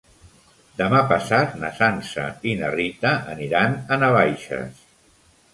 Demà passat na Sança i na Rita aniran a Navaixes.